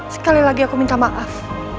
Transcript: sekali lagi aku minta maaf